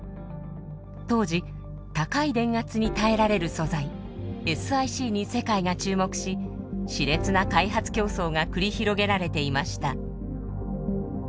当時高い電圧に耐えられる素材ＳｉＣに世界が注目し熾烈な開発競争が繰り広げられていました。